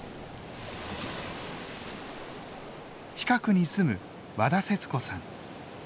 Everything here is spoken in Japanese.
近くに住む和田節子さん。